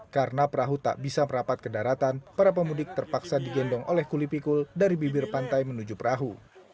karena perahu tak bisa merapat ke daratan para pemudik terpaksa digendong oleh kuli pikul dari bibir pantai menuju perahu